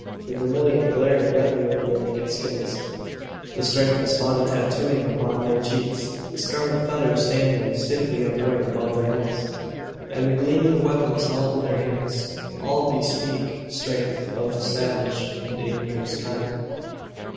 The vermilion glaring redly over their naked skins, the striped and spotted tatooing upon their cheeks, the scarlet feathers standing stiffly upright above their heads, and the gleaming of weapons held in their hands, all bespeak strength of a savage and dangerous kind.